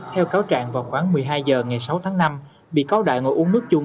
theo cáo trạng vào khoảng một mươi hai h ngày sáu tháng năm bị cáo đại ngồi uống nước chung